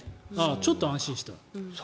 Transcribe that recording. ちょっと安心した。